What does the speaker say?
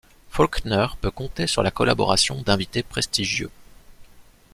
Faulkner peut compter sur la collaboration d'invités prestigieux.